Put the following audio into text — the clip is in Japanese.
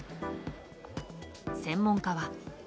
専門家は。